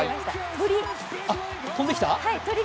鳥が飛んできた。